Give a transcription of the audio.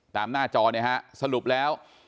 หน้าจอเนี่ยฮะสรุปแล้ว